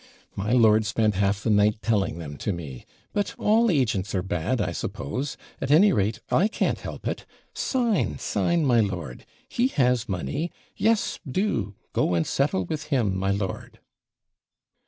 My lord spent half the night telling them to me; but all agents are bad, I suppose; at any rate I can't help it sign, sign, my lord; he has money yes, do; go and settle with him, my lord.'